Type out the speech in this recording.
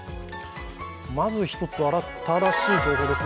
まず１つ、新しい情報です。